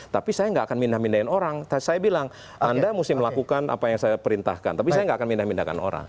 tapi saya nggak akan mindah mindahin orang saya bilang anda mesti melakukan apa yang saya perintahkan tapi saya nggak akan mindah pindahkan orang